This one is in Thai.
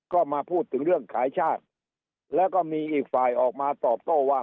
ก็มาพูดถึงเรื่องขายชาติแล้วก็มีอีกฝ่ายออกมาตอบโต้ว่า